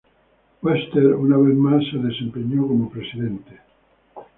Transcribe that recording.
Webster una vez más se desempeñó como Presidente.